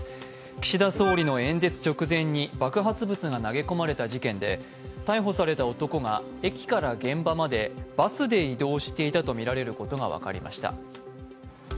岸田総理の演説直前に爆発物が投げ込まれた事件で逮捕された男が駅から現場までバスで移動していたとみられることが分かりました。